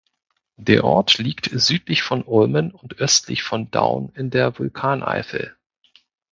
Der Ort liegt südlich von Ulmen und östlich von Daun in der Vulkaneifel.